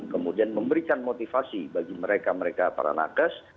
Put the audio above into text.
kemudian memberikan motivasi bagi mereka mereka para nakes